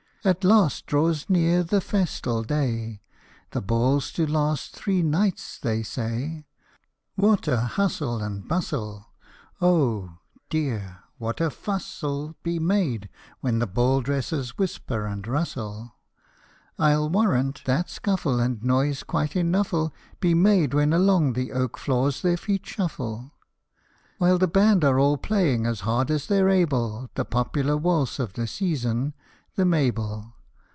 At last draws near the festal day ! The ball 's to last three nights, they say. What a hustle and bustle oh, dear ! what a fuss '11 Be made when the ball dresses whisper and rustle, I '11 warrant that scuffle And noise quite enough '11 Be made when along the oak floors their feet shuffle, While the band are all playing as hard as they 're able The popular waltz of the season the " Mabel."